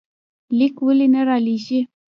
ليک ولې نه رالېږې؟